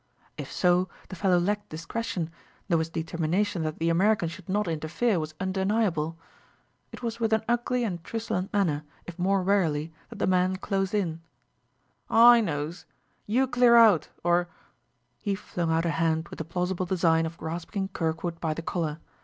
If so, the fellow lacked discretion, though his determination that the American should not interfere was undeniable. It was with an ugly and truculent manner, if more warily, that the man closed in. "I knows. You clear hout, or " He flung out a hand with the plausible design of grasping Kirkwood by the collar.